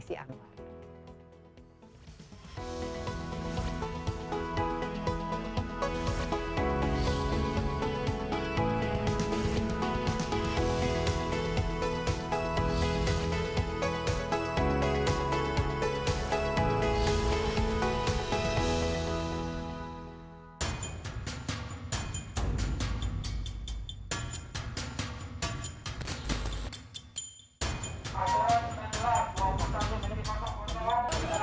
sama saya desi anwar